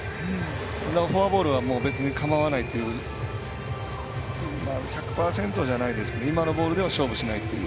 フォアボールは別にかまわないという１００％じゃないですけど今のボールでは勝負しないという。